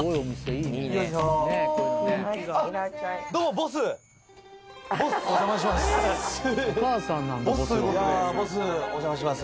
ボスお邪魔します。